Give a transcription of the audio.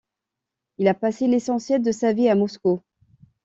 Il a passé l'essentiel de sa vie à Moscou.